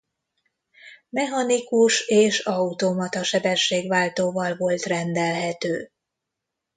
Mechanikus és automata sebességváltóval volt rendelhető.